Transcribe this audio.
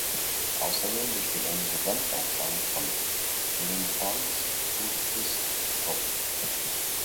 Außerdem besteht eine Gesamtaufnahme von "L’enfance du Christ" op.